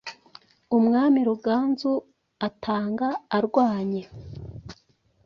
umwami Ruganzu atanga arwanye